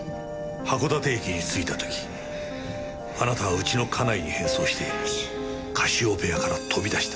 函館駅に着いた時あなたはうちの家内に変装してカシオペアから飛び出した。